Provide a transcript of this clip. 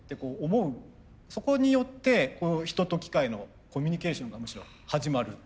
そこによって人と機械のコミュニケーションがむしろ始まる。